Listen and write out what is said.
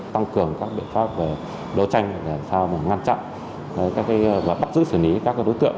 tăng cường các biện pháp đấu tranh để ngăn chặn bắt giữ xử lý các đối tượng